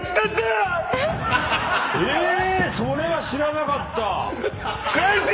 ⁉それは知らなかった。